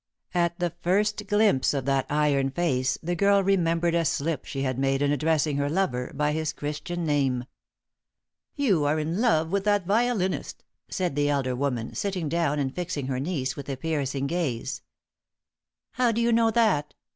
At the first glimpse of that iron face the girl remembered a slip she had made in addressing her lover by his Christian name. "You are in love with that violinist," said the elder woman, sitting down and fixing her niece with a piercing gaze. "How do you know that?"